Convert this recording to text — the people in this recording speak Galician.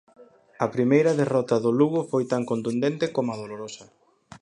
A primeira derrota do Lugo foi tan contundente como dolorosa.